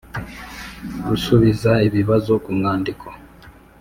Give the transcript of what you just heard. Gusubiza ibibazo ku mwandiko